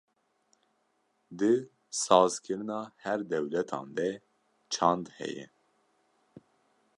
di saz kirina her dewletan de çand heye.